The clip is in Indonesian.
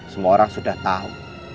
semua orang sudah tahu